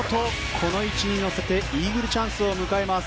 この位置に乗せてイーグルチャンスを迎えます。